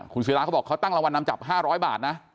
คุณศิราเขาบอกเขาตั้งรางวัลนำจับ๕๐๐บาทนะ